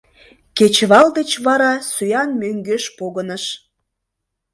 Кечывал деч вара сӱан мӧҥгеш погыныш.